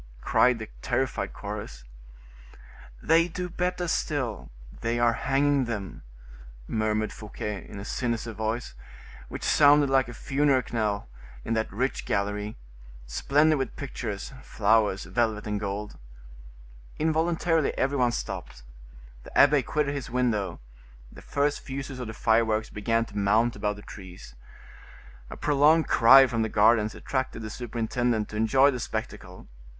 cried the terrified chorus. "They do better still; they are hanging them," murmured Fouquet, in a sinister voice, which sounded like a funeral knell in that rich gallery, splendid with pictures, flowers, velvet, and gold. Involuntarily every one stopped; the abbe quitted his window; the first fuses of the fireworks began to mount above the trees. A prolonged cry from the gardens attracted the superintendent to enjoy the spectacle.